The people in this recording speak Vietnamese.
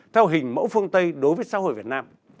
theo hình mẫu phương tây đối với xã hội việt nam